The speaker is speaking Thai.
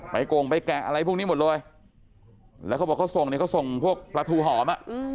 ไปโกงไปแกะอะไรพวกนี้หมดเลยแล้วเขาบอกเขาส่งพวกประถูหอม